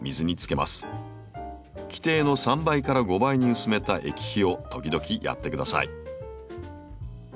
規定の３倍から５倍に薄めた液肥を時々やってください。